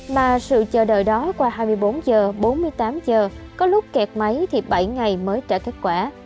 mà sự chờ đợi đó qua hai mươi bốn giờ bốn mươi tám h có lúc kẹt máy thì bảy ngày mới trả kết quả